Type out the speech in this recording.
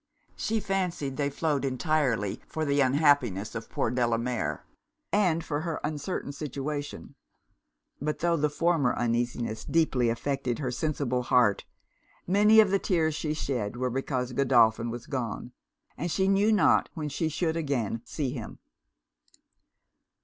She fancied they flowed entirely for the unhappiness of poor Delamere, and for her uncertain situation. But tho' the former uneasiness deeply affected her sensible heart, many of the tears she shed were because Godolphin was gone, and she knew not when she should again see him.